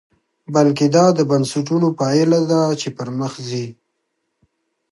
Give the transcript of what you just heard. بلکې دا د بنسټونو پایله ده چې پرمخ ځي.